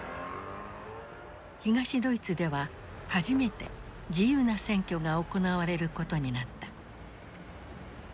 東ドイツでは初めて自由な選挙が行われることになった。